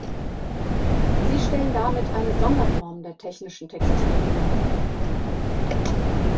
Sie stellen damit eine Sonderform der Technischen Textilien dar.